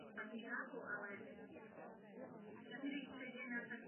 Pokud chceme to pravidlo změnit, tak je to v pořádku.